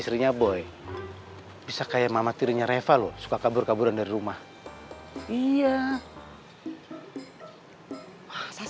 istrinya boy bisa kayak mama tirinya reva loh suka kabur kaburan dari rumah iya